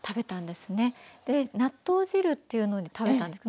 納豆汁っていうので食べたんです。